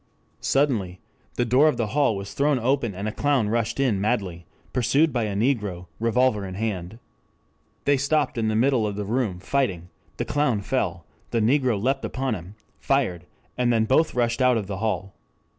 Suddenly the door of the hall was thrown open and a clown rushed in madly pursued by a negro, revolver in hand. They stopped in the middle of the room fighting; the clown fell, the negro leapt upon him, fired, and then both rushed out of the hall.